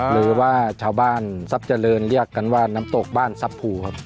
หรือว่าชาวบ้านทรัพย์เจริญเรียกกันว่าน้ำตกบ้านซับผูครับ